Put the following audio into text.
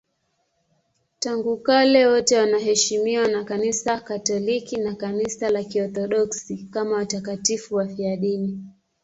Tangu kale wote wanaheshimiwa na Kanisa Katoliki na Kanisa la Kiorthodoksi kama watakatifu wafiadini.